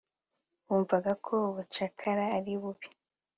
Bumvaga ko ubucakara ari bubi